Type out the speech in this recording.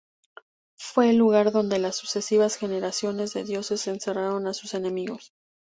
Fue el lugar donde las sucesivas generaciones de dioses encerraron a sus enemigos.